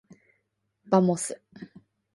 ばもす。